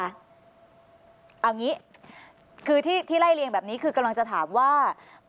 เอาอย่างนี้คือที่ไล่เรียงแบบนี้คือกำลังจะถามว่า